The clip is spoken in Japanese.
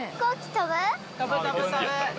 飛ぶ飛ぶ飛ぶ。